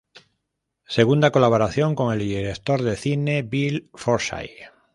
Segunda colaboración con el director de cine Bill Forsyth.